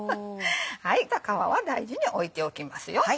皮は大事に置いておきますよ。